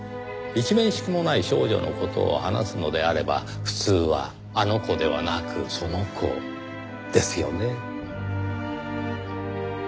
一面識もない少女の事を話すのであれば普通は「あの子」ではなく「その子」ですよね？